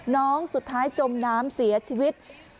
น้องสุดท้ายจมน้ำเสียชีวิต